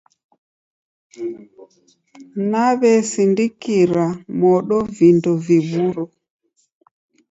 Nawesindikira modo vindo viw'uro.